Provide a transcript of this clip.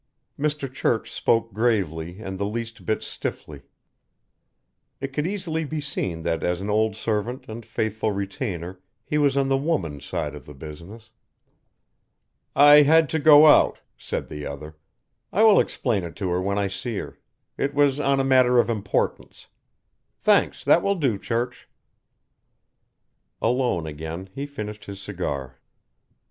Mr. Church spoke gravely and the least bit stiffly. It could easily be seen that as an old servant and faithful retainer he was on the woman's side in the business. "I had to go out," said the other. "I will explain it to her when I see her It was on a matter of importance Thanks, that will do, Church." Alone again he finished his cigar.